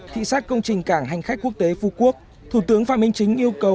thị sát công trình cảng hành khách quốc tế phú quốc thủ tướng phạm minh chính yêu cầu